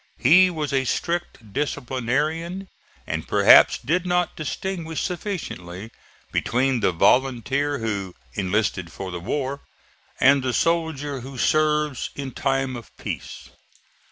He was a strict disciplinarian, and perhaps did not distinguish sufficiently between the volunteer who "enlisted for the war" and the soldier who serves in time of peace.